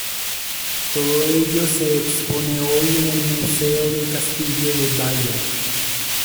Todo ello se expone hoy en el Museo del Castillo de Baia.